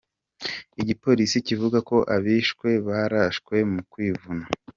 Igipolisi kivuga ko abishwe, barashwe mu kwivuna.